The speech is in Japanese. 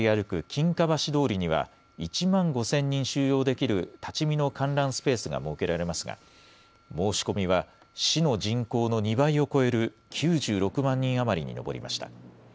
金華橋通りには、１万５０００人収容できる立ち見の観覧スペースが設けられますが、申し込みは市の人口の２倍を超える９６万人余りに上りました。